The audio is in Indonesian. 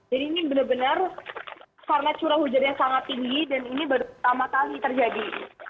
jadi ini benar benar karena curah hujannya sangat tinggi dan ini baru pertama kali terjadi